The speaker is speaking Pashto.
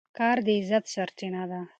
کار د عزت سرچینه ده.